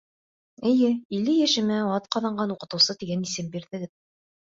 Эйе, илле йәшемә «Атҡаҙанған уҡытыусы» тигән исем бирҙегеҙ.